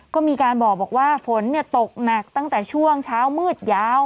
ก็มีการบอกว่าฝนตกหนักตั้งแต่ช่วงเช้ามืดยาว